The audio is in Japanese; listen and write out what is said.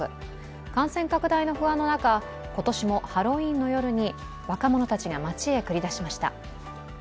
感染拡大の不安の中、今年もハロウィーンの夜に若者たちが街へ繰り出しました。